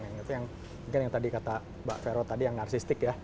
yang tadi kata mbak vero yang narsistik